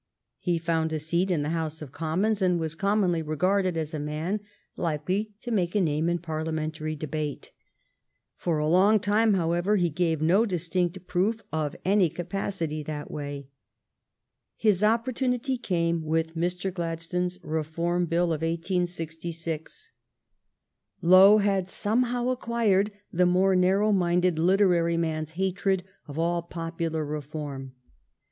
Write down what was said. He found a seat in the House of Commons, and was commonly regarded as a man likely to make a name in Parliamentary de bate. For a long time, however, he gave no dis tinct proof of any capacity that way. His opportu nity came with Mr. Gladstone's Reform Bill of 1866. GLADSTONE SUPPORTS POPULAR SUFFRAGE 255 Lowe had somehow acquired the more narrow minded literary man's hatred of all popular reform.